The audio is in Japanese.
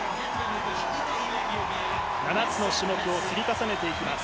７つの種目を積み重ねていきます。